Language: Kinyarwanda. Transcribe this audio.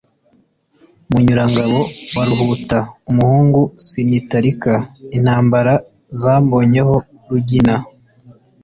Munyurangabo wa Ruhuta, umuhungu sinitalika intambara zambonyeho Rugina